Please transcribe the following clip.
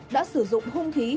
đã sử dụng hung khí